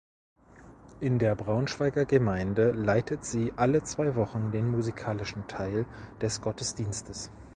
In der Braunschweiger Gemeinde leitet sie alle zwei Wochen den musikalischen Teil des Gottesdienstes.